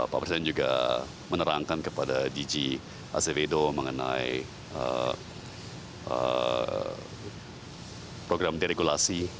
pak presiden juga menerangkan kepada dg aceprido mengenai program deregulasi